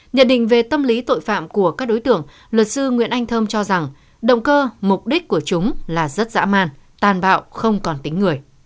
nhận định về tâm lý tội phạm của các đối tượng luật sư nguyễn anh thơm cho rằng động cơ mục đích của chúng là rất dã man tàn bạo không còn tính người